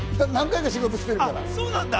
何回か仕事してるから。